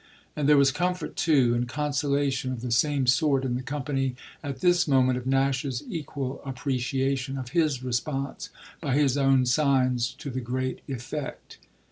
And there was comfort too and consolation of the same sort in the company at this moment of Nash's equal appreciation, of his response, by his own signs, to the great effect.